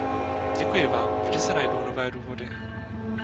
Děkuji vám, vždy se najdou nové důvody.